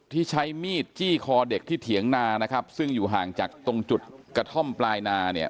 ที่ใช้มีดจี้คอเด็กที่เถียงนานะครับซึ่งอยู่ห่างจากตรงจุดกระท่อมปลายนาเนี่ย